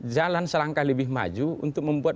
jalan selangkah lebih maju untuk membuat